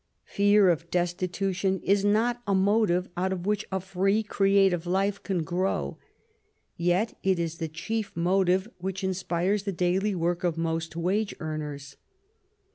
Fear of destitution is not a motive out of which a free creative life can grow, yet it is the chief motive which inspires the daily work of most wage earners.